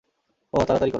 ওহ, তাড়াতাড়ি করো।